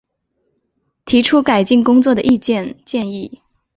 提出改进工作的意见建议